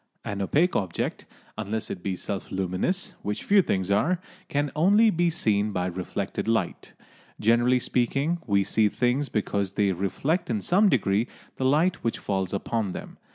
An opaque object, unless it be self luminous, which few things are, can only be seen by reflected light. Generally speaking, we see things because they reflect in some degree the light which falls upon them.